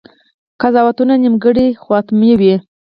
قضاوتونه نیمګړي خو حتماً وي.